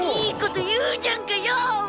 いいこと言うじゃんかよ！